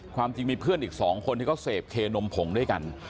ความจริงมีเพื่อนอีก๒คนที่เขาเสพเคนมผงด้วยกัน